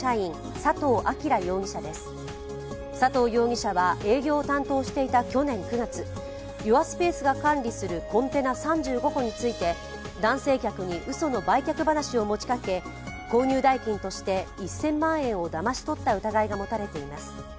佐藤容疑者は営業を担当していた去年９月ユアスペースが管理するコンテナ３５個について男性客にうその売却話を持ちかけ購入代金として１０００万円をだまし取った疑いが持たれています。